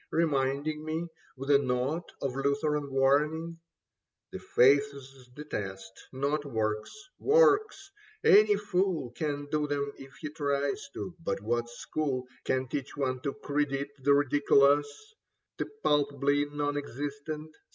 Reminding me with a note of Lutheran warning That faith's the test, not works. Works !— any fool Can do them if he tries to ; but what school Can teach one to credit the ridiculous, The palpably non existent